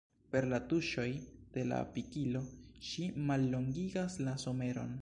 Per la tuŝoj de la pikilo ŝi mallongigas la someron.